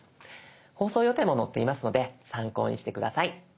放送予定も載っていますので参考にして下さい。